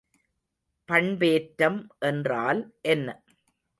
பண்பேற்றம் என்றால் என்ன?